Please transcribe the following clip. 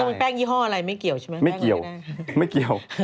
แล้วแป้งยี่ห้ออะไรไม่เกี่ยวใช่ไหมไม่เกี่ยว